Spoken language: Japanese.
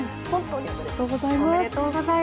おめでとうございます！